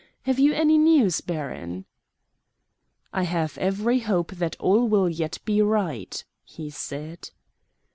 Have you any news, baron?" "I have every hope that all will yet be right," he said.